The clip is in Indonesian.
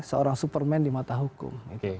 seorang superman di mata hukum